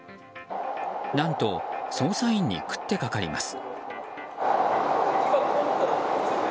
何と、捜査員に食って掛かります。